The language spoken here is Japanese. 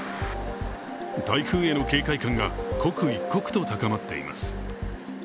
台風への警戒感が刻一刻と高まっています。